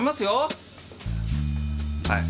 はい。